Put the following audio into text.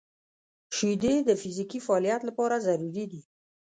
• شیدې د فزیکي فعالیت لپاره ضروري دي.